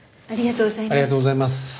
ありがとうございます。